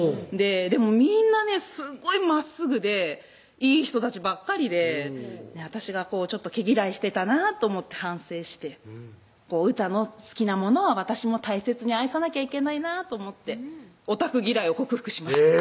でもみんなねすごいまっすぐでいい人たちばっかりで私が毛嫌いしてたなと思って反省してうーたんの好きなものは私も大切に愛さなきゃいけないなと思ってオタク嫌いを克服しました